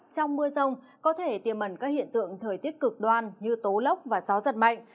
trong mưa rông có thể tiềm ẩn các hiện tượng thời tiết cực đoan như tố lốc và gió giật mạnh